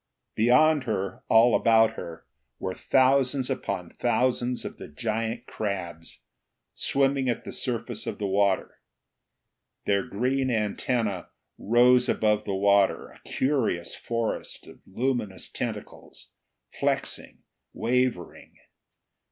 Beyond her, all about her, were thousands upon thousands of the giant crabs, swimming at the surface of the water. Their green antenna rose above the water, a curious forest of luminous tentacles, flexing, wavering.